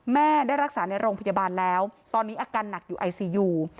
แม่ได้รักษาในโรงพยาบาลแล้วตอนนี้อาการหนักอยู่ไอซียู